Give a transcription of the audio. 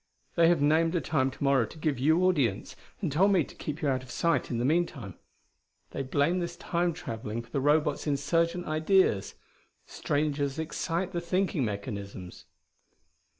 They have named a time to morrow to give you audience, and told me to keep you out of sight in the meanwhile. They blame this Time traveling for the Robots' insurgent ideas. Strangers excite the thinking mechanisms."